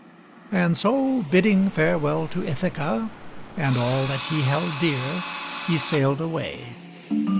And so, bidding farewell to Ithaca and all that he held dear, he sailed away.